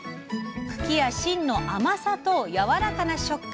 茎や芯の甘さとやわらかな食感